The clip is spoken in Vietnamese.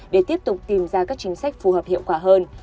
để tiếp tục tìm ra các chính sách phù hợp hiệu quả hơn